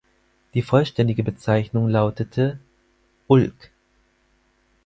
Die vollständige Bezeichnung lautete: Ulk.